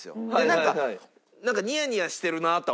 なんかなんかニヤニヤしてるなとは思って。